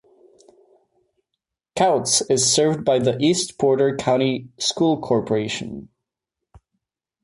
Kouts is served by the East Porter County School Corporation.